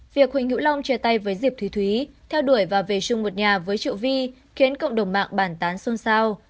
việc huỳnh hữu long chia tay với diệp thúy thúy theo đuổi và về chung một nhà với triệu vi khiến cộng đồng mạng bản tán xôn xao